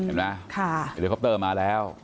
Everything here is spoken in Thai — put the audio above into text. เห็นไหมค่ะไอร์คอปเตอร์มาแล้ว